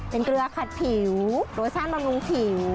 เป็นเกลือขัดผิวโรสั้นบำรุงผิว